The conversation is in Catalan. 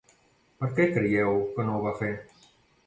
Per què creieu que no ho va fer?